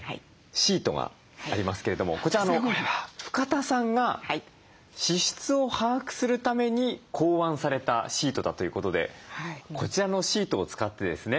シートがありますけれどもこちら深田さんが支出を把握するために考案されたシートだということでこちらのシートを使ってですね